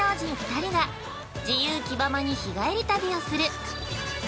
２人が自由きままに日帰り旅をする。